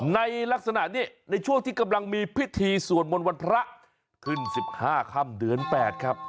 ในลักษณะนี้ในช่วงที่กำลังมีพิธีสวดมนต์วันพระขึ้น๑๕ค่ำเดือน๘ครับ